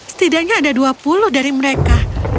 setidaknya ada dua puluh dari mereka